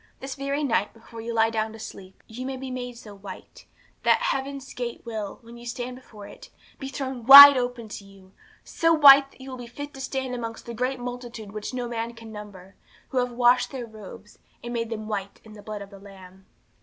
This very night, before you lie down to sleep, you may be made so white, that heaven's gate will, when you stand before it, be thrown wide open to you; so white, that you will be fit to stand amongst that great multitude which no man can number, who have washed their robes, and made them white in the blood of the Lamb.